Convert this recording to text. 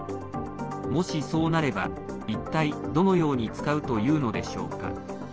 もしそうなれば、一体どのように使うというのでしょうか。